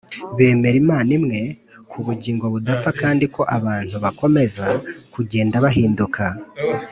bemera imana imwe, ko ubugingo budapfa kandi ko abantu bakomeza kugenda bahinduka